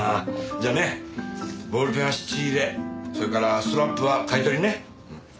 じゃあねボールペンは質入れそれからストラップは買い取りね。